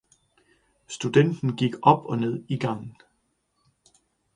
Studenten gik op og ned i gangen.